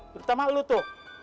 terutama lo tuh